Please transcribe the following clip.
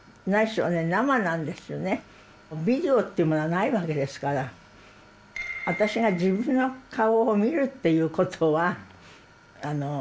ビデオっていうものはないわけですから私が自分の顔を見るっていうことはないんですよね。